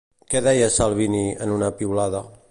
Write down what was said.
Què deia Salvini en una piulada?